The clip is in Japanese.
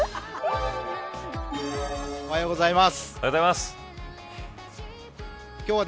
おはようございます。